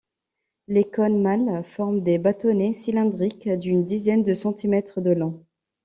Les cônes mâles forment de bâtonnets cylindriques d'une dizaine de cm de long.